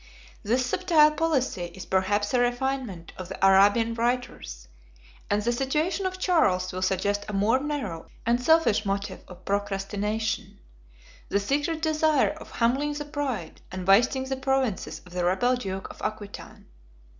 This subtile policy is perhaps a refinement of the Arabian writers; and the situation of Charles will suggest a more narrow and selfish motive of procrastination—the secret desire of humbling the pride and wasting the provinces of the rebel duke of Aquitain.